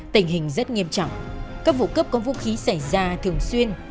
tình hình rất nghiêm trọng các vụ cướp có vũ khí xảy ra thường xuyên